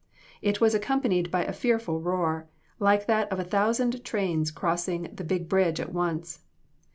It was accompanied by a fearful roar, like that of a thousand trains crossing the big bridge at once.